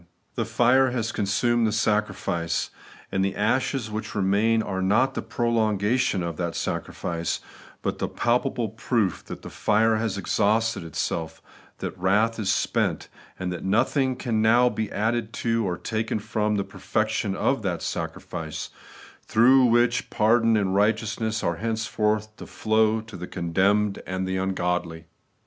work is dona The fire has consumed the sacrifice ; and the ashes which remain are not the prolongation of that sacrifice, but the palpable proof that the fire has exhausted itself, that wrath is spent, and that nothing ^can now be added to or taken from the perfection of that sacrifice, through which pardon and righteousness care henceforth to flow to the condemned and the ungodly.